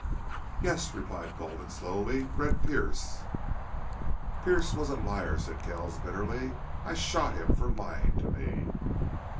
"Yes," replied Gulden, slowly. "Red Pearce." "Pearce was a liar," said Kells, bitterly. "I shot him for lying to me."